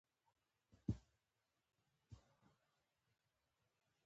موږ هر څه لرو